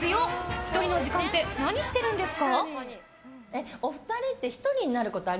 １人の時間って何してるんですか？